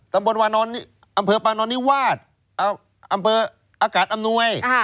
ตำบลวานอนอำเภอปานอนนิวาสอำเภออากาศอำนวย